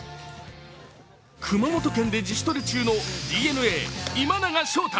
熊本県で自主トレ中のＤｅＮＡ・今永昇太。